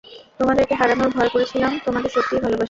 তোমাদেরকে হারানোর ভয় করেছিলাম, তোমাদের সত্যিই ভালোবাসি।